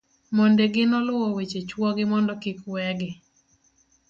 mondegi noluwo weche chuo gi mondo kik we gi